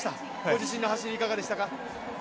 ご自身の走り、いかがでしたか？